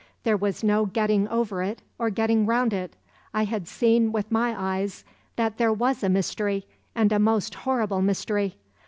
There was no getting over it or getting round it. I had seen with my eyes that there was a mystery, and a most horrible mystery.